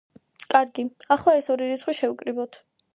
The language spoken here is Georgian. კარგი, ახლა, ეს ორი რიცხვი შევკრიბოთ.